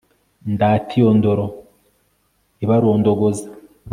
Ndate iyo ndoro ibarondogoza